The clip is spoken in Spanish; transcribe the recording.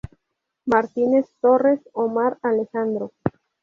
Martínez Torres, Omar Alejandro.